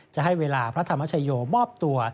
จะให้เวลาพระธรรมชโยมอบตัว